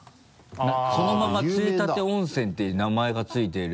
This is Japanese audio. そのまま杖立温泉っていう名前が付いてる。